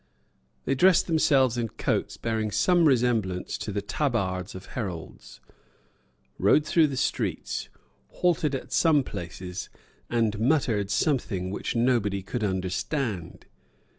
They dressed themselves in coats bearing some resemblance to the tabards of heralds, rode through the streets, halted at some places, and muttered something which nobody could understand.